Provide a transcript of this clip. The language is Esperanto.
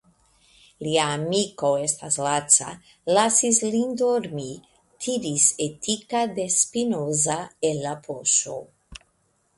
Lia amiko estas laca, lasis lin dormi, tiris Etika de Spinoza el la poŝo.